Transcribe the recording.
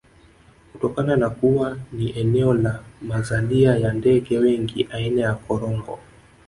Kutokana na kuwa ni eneo la mazalia ya ndege wengi aina ya Korongo